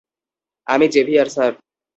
আমি Xavier, sir.